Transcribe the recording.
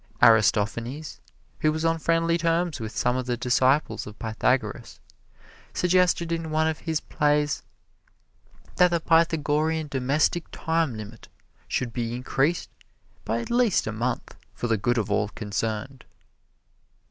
Aristophanes, who was on friendly terms with some of the disciples of Pythagoras, suggested in one of his plays that the Pythagorean domestic time limit should be increased at least a month for the good of all concerned.